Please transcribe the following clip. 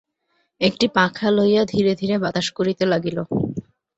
একটি পাখা লইয়া ধীরে ধীরে বাতাস করিতে লাগিল।